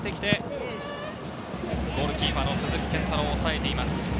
ゴールキーパーの鈴木健太郎、おさえています。